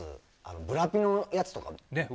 ブラピのやつとか。